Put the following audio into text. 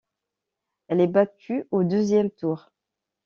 Elle est battue au deuxième tour.